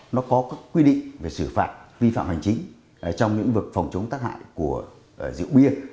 nó có các quy định về xử phạt vi phạm hành chính trong lĩnh vực phòng chống tác hại của rượu bia